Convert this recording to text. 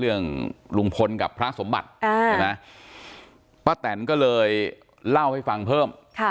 เรื่องลุงพลกับพระสมบัติป้าแตนก็เลยเล่าให้ฟังเพิ่ม